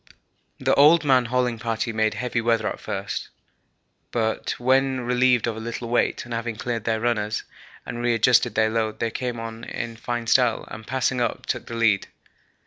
The old man hauling party made heavy weather at first, but when relieved of a little weight and having cleaned their runners and re adjusted their load they came on in fine style, and, passing us, took the lead.